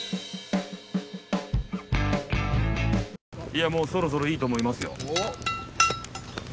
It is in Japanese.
いやもうそろそろいいと思いますよ。